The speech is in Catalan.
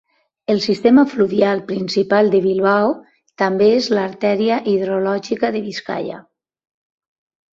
El sistema fluvial principal de Bilbao també és l'arteria hidrològica de Biscaia.